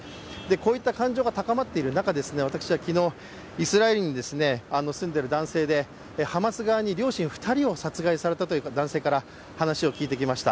こういった感情が高まっている中私は昨日、イスラエルに住んでいる男性でハマス側に両親２人を殺害されたという男性から話を聞いてきました。